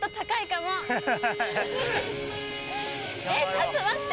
ちょっと待って。